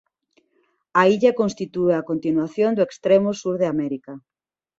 A illa constitúe a continuación do extremo sur de América.